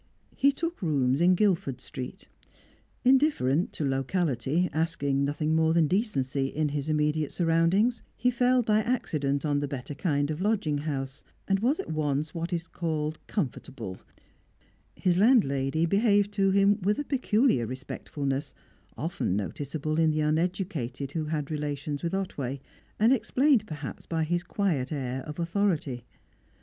He took rooms in Guildford Street. Indifferent to locality, asking nothing more than decency in his immediate surroundings, he fell by accident on the better kind of lodging house, and was at once what is called comfortable; his landlady behaved to him with a peculiar respectfulness, often noticeable in the uneducated who had relations with Otway, and explained perhaps by his quiet air of authority.